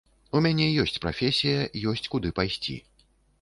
У мяне ёсць прафесія, ёсць куды пайсці.